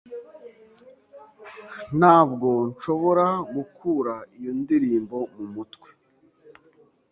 Ntabwo nshobora gukura iyo ndirimbo mumutwe.